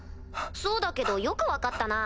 そうだけどよく分かったな。